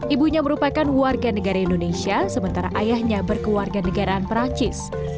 ibunya merupakan warganegara indonesia sementara ayahnya berkewarganegaraan perancis